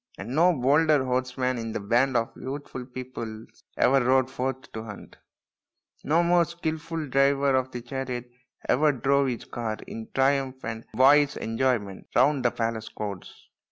And no bolder horseman in the band of youthful pupils ever rode forth to hunt ; no more skilful driver of the chariot ever drove his car in triumph and boyish enjoyment L 162 THE INDIAN STORY BOOK round the palace courts.